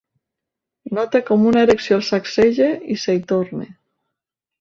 Nota com una erecció el sacseja i s'hi torna.